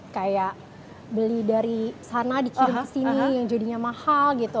kayak beli dari sana dikirim ke sini yang jadinya mahal gitu